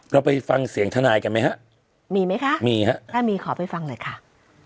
เราไปฟังเสียงทนายกันมั้ยฮะมีมั้ยคะมีฮะถ้ามีขอไปฟังเลยค่ะ